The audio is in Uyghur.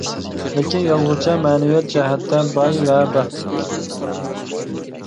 لېكىن يازغۇچە مەنىۋىيەت جەھەتتە باي ۋە بەختلىك.